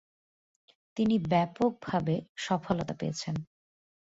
তিনি ব্যাপকভাবে সফলতা পেয়েছেন।